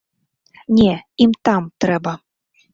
Не, ім там трэба!